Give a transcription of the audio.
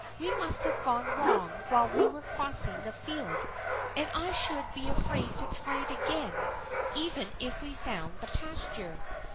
We must have gone wrong while we were crossing the field and I should be afraid to try it again even if we found the pasture.